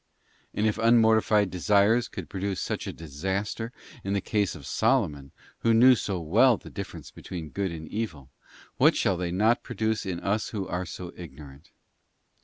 And if unmortified desires could produce such a disaster in the case of Solomon, who knew so well the difference between good and evil, what shall they not produce in us who are so ignorant?